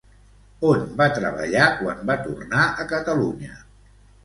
On va treballar quan va tornar a Catalunya?